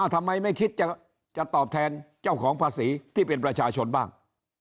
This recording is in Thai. ทำไมไม่คิดจะตอบแทนเจ้าของภาษีที่เป็นประชาชนบ้าง